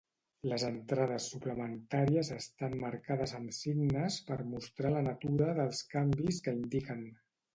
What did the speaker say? Les entrades suplementàries estan marcades amb signes per mostrar la natura dels canvis que indiquen.